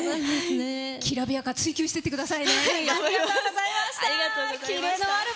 きらびやかを追求していってくださいね。